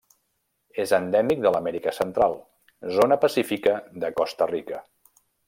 És endèmic de l'Amèrica Central: zona pacífica de Costa Rica.